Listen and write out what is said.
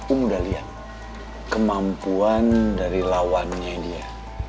om udah lihat kemampuan dari lawannya dia